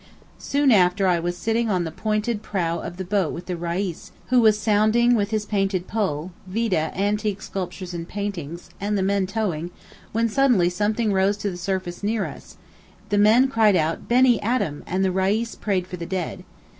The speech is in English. Soon after I was sitting on the pointed prow of the boat with the Reis, who was sounding with his painted pole (vide antique sculptures and paintings), and the men towing, when suddenly something rose to the surface close to us: the men cried out Beni Adam! and the Reis prayed for the dead.